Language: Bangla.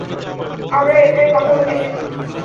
আমরা এখানে কথা বলতে এসেছি।